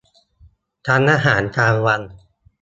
ทั้งอาหารกลางวัน